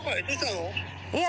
いや。